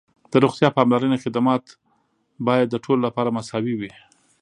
د روغتیا پاملرنې خدمات باید د ټولو لپاره مساوي وي.